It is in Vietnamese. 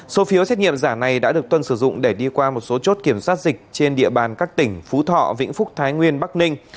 số phiếu xét nghiệm giả này đã được tuân sử dụng để đi qua một số chốt kiểm soát dịch trên địa bàn các tỉnh phú thọ vĩnh phúc thái nguyên bắc ninh